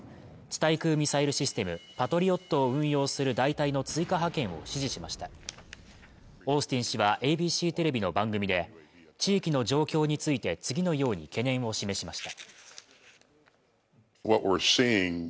対空ミサイルシステムパトリオットを運用する大隊の追加派遣を指示しましたオースティン氏はＡＢＣテレビの番組で地域の状況について次のように懸念を示しました